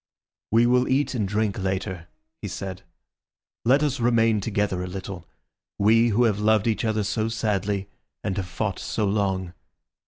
"We will eat and drink later," he said. "Let us remain together a little, we who have loved each other so sadly, and have fought so long.